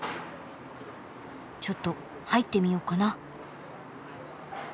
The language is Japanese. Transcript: ちょっと入ってみよっかな。